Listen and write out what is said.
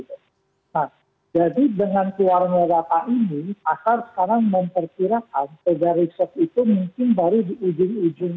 nah jadi dengan keluarnya data ini pasar sekarang memperkirakan fega reserve itu mungkin baru di ujung ujungnya